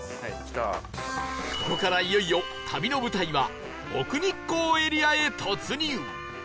ここからいよいよ旅の舞台は奥日光エリアへ突入